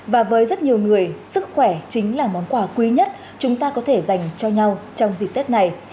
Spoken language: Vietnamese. và với rất nhiều người sức khỏe chính là món quà quý nhất chúng ta có thể dành cho nhau trong dịp tết này